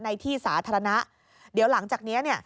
ในที่สาธารณะเดี๋ยวหลังจากนี้เนี่ย